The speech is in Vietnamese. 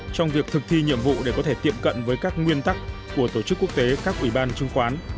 trong việc thực thi nhiệm vụ để có thể tiệm cận với các nguyên tắc của tổ chức quốc tế các ủy ban chứng khoán